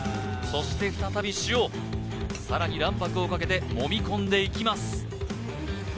そして再び塩さらに卵白をかけてもみ込んでいきます